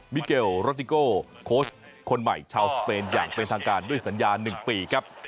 มิเกลโรติโก้โค้ชคนใหม่ชาวสเปนอย่างเป็นทางการด้วยสัญญา๑ปีครับ